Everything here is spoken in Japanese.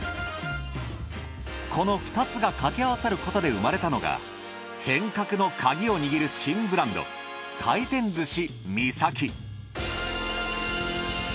この２つがかけ合わさることで生まれたのが変革のカギを握る新ブランド回転寿司みさき。